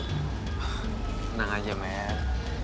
tenang aja men